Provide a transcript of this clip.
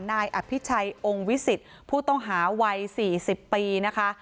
นายอภิชัยองค์วิสิตผู้ต้องหาวัย๔๐ปีนะคะ